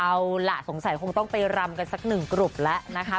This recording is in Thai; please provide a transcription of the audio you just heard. เอาล่ะสงสัยคงต้องไปรำกันสักหนึ่งกลุ่มแล้วนะคะ